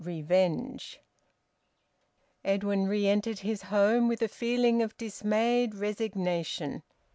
REVENGE. Edwin re entered his home with a feeling of dismayed resignation.